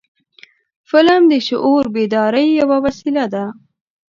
فلم د شعور بیدارۍ یو وسیله ده